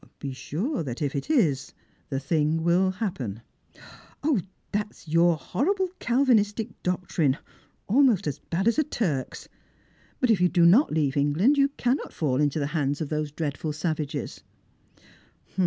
" Be sure that if it is, the thing will happen." " 0, that is your horrible Calvinistic doctrine ; almost ai8 bad as a Turk's. But if you do not leave England you cannot fall into the hands of those dreadful savages."